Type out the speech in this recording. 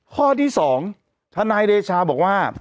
ข้อที่๒ทนายเดชาบอกว่า